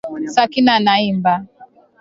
Sakina anaimba.